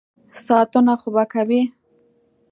ساتنه خو به کوي.